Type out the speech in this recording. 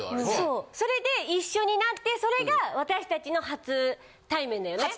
それで一緒になってそれが私達の初対面だよね？